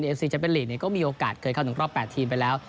เอฟซีจะเป็นลีกก็มีโอกาสเคยเข้าถึงรอบ๘ทีมไปแล้ว